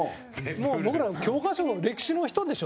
古田：僕ら、教科書の歴史の人でしょ。